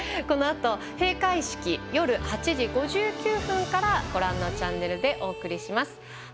このあと閉会式夜８時５９分からご覧のチャンネルでお送りします。